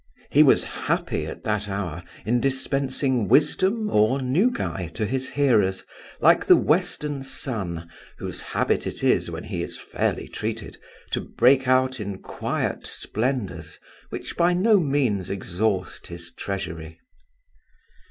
He was happy at that hour in dispensing wisdom or nugae to his hearers, like the Western sun whose habit it is, when he is fairly treated, to break out in quiet splendours, which by no means exhaust his treasury.